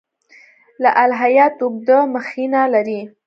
دا الهیات اوږده مخینه لري.